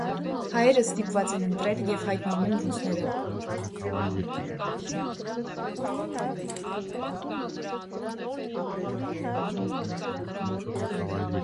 Հայերը ստիպված են ընտրել և հայտնվում են ռուսները։